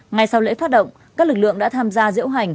ngay sau lễ phát động các lực lượng đã tham gia diễu hành